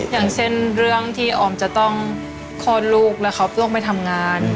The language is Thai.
อย่างเช่นเรื่องที่ออมจะต้องคลอดลูกแล้วเขาต้องไปทำงาน